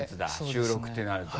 週６ってなると。